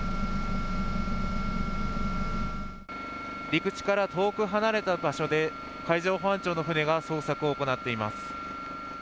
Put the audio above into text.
陸地から遠く離れた場所で海上保安庁の船が捜索を行っています。